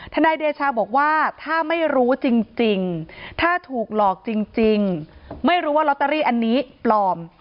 นายเดชาบอกว่าถ้าไม่รู้จริงถ้าถูกหลอกจริงไม่รู้ว่าลอตเตอรี่อันนี้ปลอม